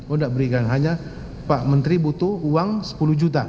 oh tidak berikan hanya pak menteri butuh uang sepuluh juta